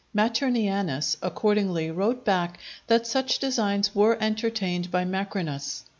Maternianus, accordingly, wrote back that such designs were entertained by Macrinus.